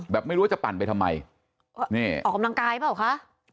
ไม่รู้ว่าจะปั่นไปทำไมนี่ออกกำลังกายเปล่าคะ